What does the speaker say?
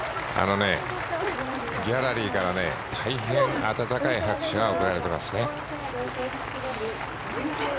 ギャラリーから大変温かい拍手が送られてますね。